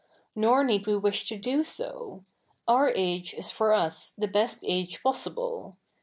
Nor 7ieed we wish to do so. Our age is for us the best age possible.